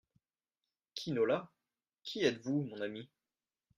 Quinola Qui êtes-vous, mon ami ?